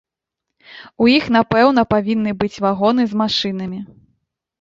У іх напэўна павінны быць вагоны з машынамі.